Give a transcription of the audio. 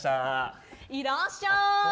いらっしゃい。